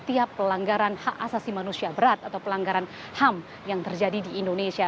setiap pelanggaran hak asasi manusia berat atau pelanggaran ham yang terjadi di indonesia